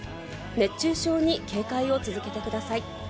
熱中症に警戒を続けてください。